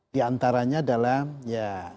di antaranya adalah ya